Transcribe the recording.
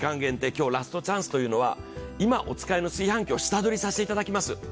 今日ラストチャンスというのは今、お使いの炊飯器を下取りさせていただきます。